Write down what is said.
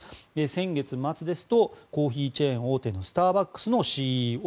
先月末ですとコーヒーチェーン大手のスターバックスのＣＥＯ。